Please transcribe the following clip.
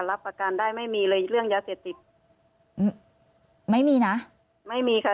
รับประกันได้ไม่มีเลยเรื่องยาเสพติดไม่มีนะไม่มีค่ะ